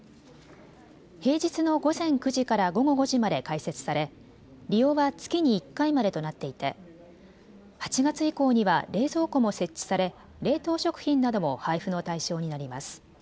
平日の午前９時から午後５時まで開設され、利用は月に１回までとなっていて８月以降には冷蔵庫も設置され冷凍食品なども配布の対象になります。